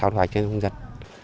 thu hoạch thu hoạch